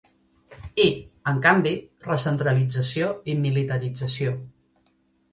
I, en canvi, recentralització i militarització.